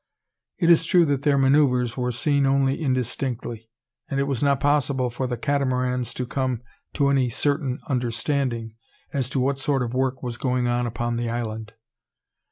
It is true that their manoeuvres were seen only indistinctly: and it was not possible for the Catamarans to come to any certain understanding, as to what sort of work was going on upon the island.